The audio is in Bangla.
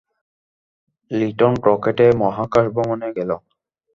লিটন রকেটে মহাকাশ ভ্রমণে গেল।